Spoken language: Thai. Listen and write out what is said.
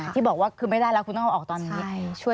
ที่บอกว่าคือไม่ได้แล้วคุณต้องเอาออกตอนนี้